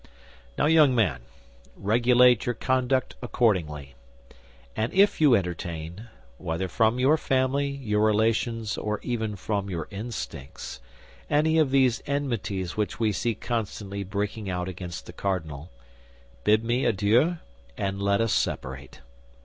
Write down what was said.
"Now, young man, regulate your conduct accordingly; and if you entertain, whether from your family, your relations, or even from your instincts, any of these enmities which we see constantly breaking out against the cardinal, bid me adieu and let us separate.